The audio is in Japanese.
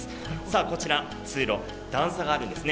こちら通路、段差があるんですね。